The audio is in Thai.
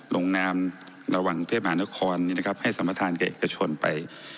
ลงน้ำระหว่างเทพหานครให้สมธารเกะเอกชนไป